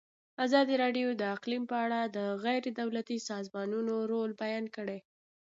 ازادي راډیو د اقلیم په اړه د غیر دولتي سازمانونو رول بیان کړی.